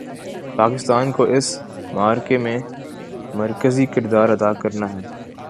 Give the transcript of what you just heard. پاکستان کو اس معرکے میں مرکزی کردار ادا کرنا ہے۔